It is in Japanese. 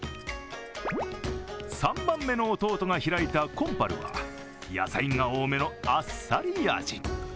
３番目の弟が開いたコンパルは野菜が多めのあっさり味。